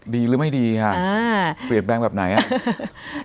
ดีหรือไม่ดีค่ะเปลี่ยนแปลงแบบไหนอ่ะ